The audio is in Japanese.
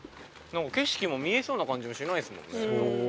景色も見えそうな感じがしないですもんね。